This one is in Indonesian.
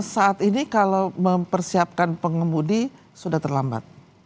saat ini kalau mempersiapkan pengemudi sudah terlambat